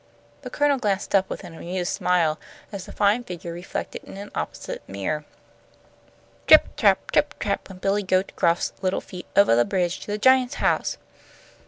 The Colonel glanced up with an amused smile at the fine figure reflected in an opposite mirror. "Trip trap, trip trap, went Billy Goat Gruff's little feet ovah the bridge to the giant's house."